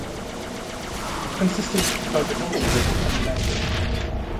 It consisted of an orbiter and a lander.